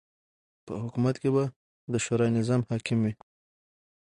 په حکومت کی به د شورا نظام حاکم وی